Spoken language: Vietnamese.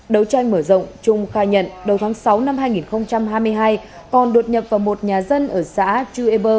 đấu tranh mở rộng trung khai nhận đầu tháng sáu năm hai nghìn hai mươi hai còn đột nhập vào một nhà dân ở xã chư e